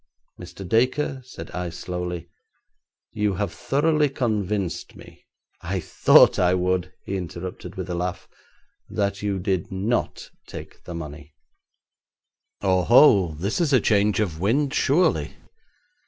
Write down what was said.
'Mr. Dacre,' said I slowly, 'you have thoroughly convinced me ' 'I thought I would,' he interrupted with a laugh. ' that you did not take the money.' 'Oho, this is a change of wind, surely.